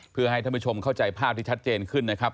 เพื่อให้ท่านผู้ชมเข้าใจภาพที่ชัดเจนขึ้นนะครับ